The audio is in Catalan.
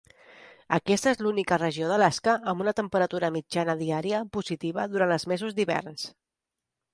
Aquesta és l'única regió d'Alaska amb una temperatura mitjana diària positiva durant els mesos d'hiverns.